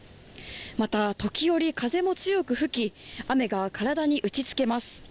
また時折、風も強く吹き雨が体に打ちつけます